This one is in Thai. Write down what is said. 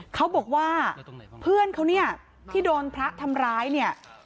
เขาบอกว่าเพื่อนเขาเนี่ยที่โดนพระทำร้ายเนี่ย